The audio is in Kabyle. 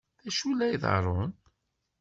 D acu la iḍerrun?